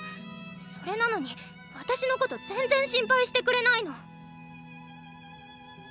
それなのに私のこと全然心配してくれないの。